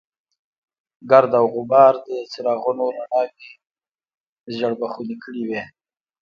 ګرد او غبار د څراغونو رڼاوې ژېړ بخونې کړې وې.